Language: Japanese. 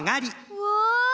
うわ！